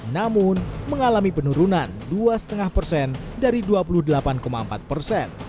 namun mengalami penurunan dua lima persen dari dua puluh delapan empat persen